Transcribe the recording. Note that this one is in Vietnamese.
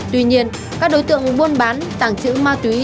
tuy nhiên các đối tượng buôn bán tàng trữ ma túy